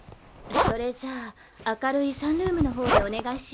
「それじゃ明るいサンルームの方でお願いしようかしら」